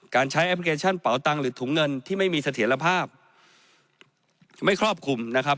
ใช้แอปพลิเคชันเป่าตังค์หรือถุงเงินที่ไม่มีเสถียรภาพไม่ครอบคลุมนะครับ